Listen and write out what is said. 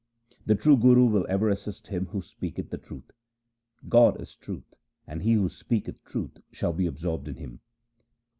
The true Guru will ever assist him who speaketh the truth. God is truth, and he who speaketh truth shall be absorbed in Him.'